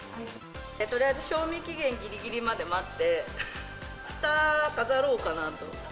とりあえず賞味期限ぎりぎりまで待って、ふたは飾ろうかなと。